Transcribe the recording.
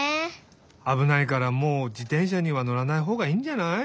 あぶないからもう自転車にはのらないほうがいいんじゃない？